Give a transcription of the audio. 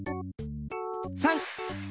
３！